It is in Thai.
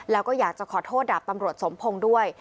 แล้วก็อยากจะขอโทษดาบตำรวจสมพงศ์ด้วย